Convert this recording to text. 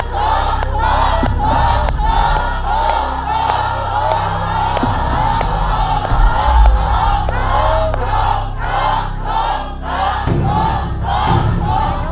ที่สุด